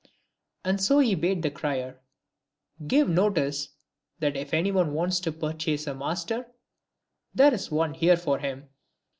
And so he bade the crier " give notice that if any one wants to purchase a master, there is one here for him."